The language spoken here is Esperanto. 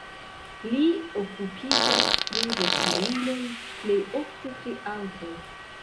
Li okupiĝas pri veturiloj, plej ofte pri aŭtoj.